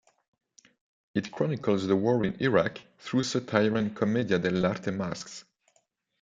It chronicles the war in Iraq through satire and commedia dell'arte masks.